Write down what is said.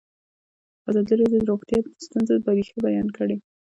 ازادي راډیو د روغتیا د ستونزو رېښه بیان کړې.